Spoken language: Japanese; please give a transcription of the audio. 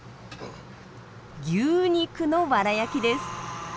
牛肉のワラ焼きです。